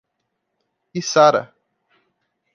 Içara